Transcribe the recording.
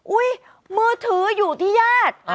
มือถืออยู่ที่ญาติ